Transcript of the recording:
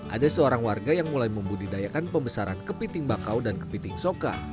ada seorang warga yang mulai membudidayakan pembesaran kepiting bakau dan kepiting soka